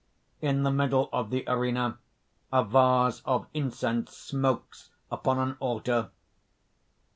In the middle of the arena, a vase of incense smokes upon an altar.